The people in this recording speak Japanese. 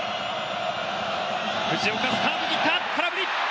藤岡、スタートを切った空振り！